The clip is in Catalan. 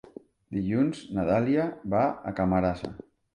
Dilluns na Dàlia va a Camarasa.